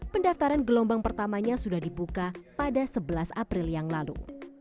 pendaftaran gelombang pertamanya sudah dibuka pada sebelas april yang lalu